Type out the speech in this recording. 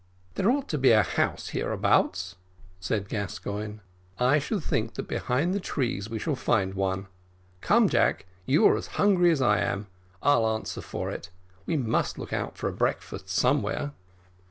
"There ought to be a house hereabouts," said Gascoigne; "I should think that behind the trees we shall find one. Come, Jack, you are as hungry as I am, I'll answer for it; we must look out for a breakfast somewhere."